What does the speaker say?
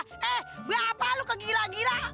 eh berapa lu kegila gila